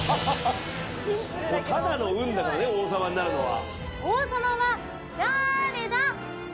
ただの運だからね王様になるのは。